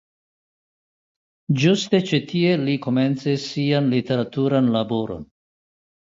Ĝuste ĉi tie li komencis sian literaturan laboron.